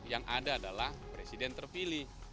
yang ada adalah presiden terpilih